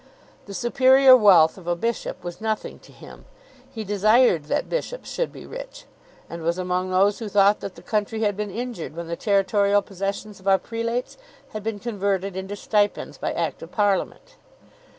The superior wealth of a bishop was nothing to him. He desired that bishops should be rich, and was among those who thought that the country had been injured when the territorial possessions of our prelates had been converted into stipends by Act of Parliament.